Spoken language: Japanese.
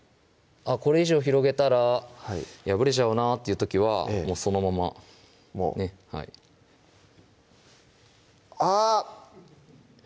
これ以上広げたら破れちゃうなっていう時はもうそのままあっ！